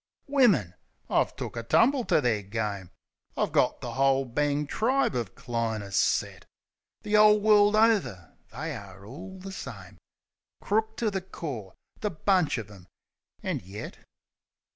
Wimmin! I've took a tumble to their game. I've got the 'ole bang tribe o' diners set ! The 'ole world over they are all the same: Crook to the core the bunch of 'em — an' yet.